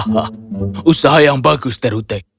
hahaha usaha yang bagus terute